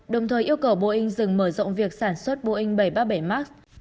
đồng thời yêu cầu boeing dừng mở rộng việc sản xuất boeing bảy trăm ba mươi bảy max